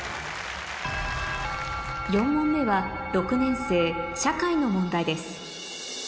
４問目は６年生社会の問題です